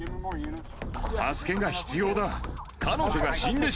助けが必要だ。